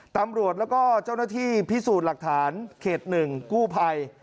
ตำรวจแล้วก็เจ้าหน้าที่พิสูจน์หลักฐานเขต๑กู้ภัย